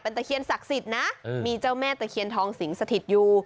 ตะเคียนศักดิ์สิทธิ์นะมีเจ้าแม่ตะเคียนทองสิงสถิตอยู่